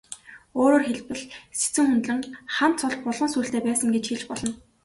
Өөрөөр хэлбэл, Сэцэн хүндлэн хан цол булган сүүлтэй байсан гэж хэлж болно.